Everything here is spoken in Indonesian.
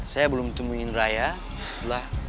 saya belum ketemuin raya setelah